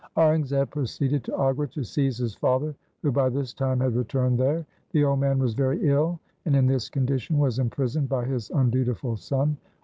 Aurangzeb proceeded to Agra to seize his father who by this time had returned there. The old man was very ill, and in this condition was imprisoned by his undutiful son.